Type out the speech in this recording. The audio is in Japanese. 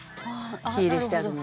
火入れしてあるので。